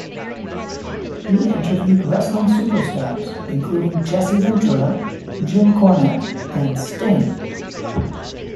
He interviewed wrestling superstars, including Jesse Ventura, Jim Cornette, and Sting.